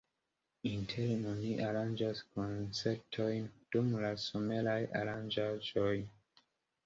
Interne oni aranĝas koncertojn dum la someraj aranĝaĵoj.